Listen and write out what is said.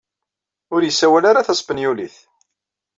Ur yessawal ara taspenyulit.